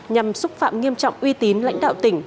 nhằm xúc phạm nghiêm trọng uy tín lãnh đạo tỉnh